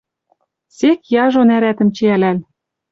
Сек яжо нӓрӓтӹм чиӓлӓл.